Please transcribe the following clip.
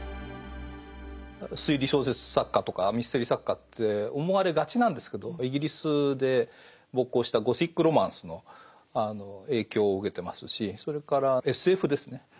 推理小説作家とかミステリー作家って思われがちなんですけどイギリスで勃興したゴシック・ロマンスの影響を受けてますしそれからＳＦですね